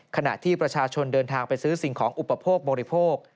ขณะที่ประชาชนเดินทางไปซื้อสิ่งของอุปโภคบริโภค